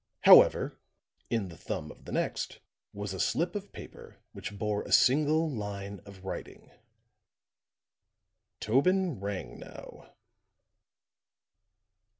However, in the thumb of the next was a slip of paper which bore a single line of writing: "Tobin Rangnow."